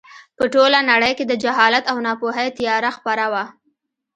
په ټوله نړۍ کې د جهالت او ناپوهۍ تیاره خپره وه.